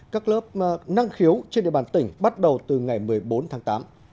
các lớp năng khiếu trên địa bàn tỉnh bắt đầu từ ngày một mươi bốn tháng tám